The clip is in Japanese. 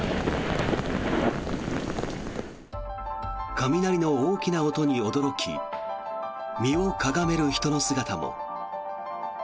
雷の大きな音に驚き身をかがめる人の姿も。